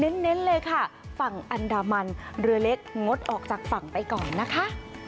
เน้นเลยค่ะฝั่งอันดามันเรือเล็กงดออกจากฝั่งไปก่อนนะคะ